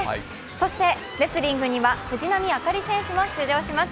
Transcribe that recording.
そしてレスリングには藤波朱理選手も出場します。